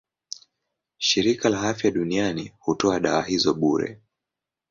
Shirika la Afya Duniani hutoa dawa hizo bure.